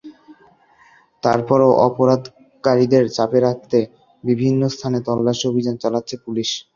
তার পরও অপহরণকারীদের চাপে রাখতে বিভিন্ন স্থানে তল্লাশি অভিযান চালাচ্ছে পুলিশ।